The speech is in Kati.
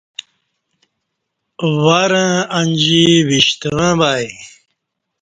ورں انجی وِشتہ وہ وای